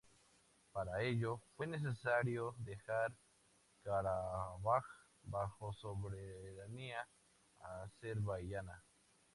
Para ello, fue necesario dejar Karabaj bajo soberanía azerbaiyana.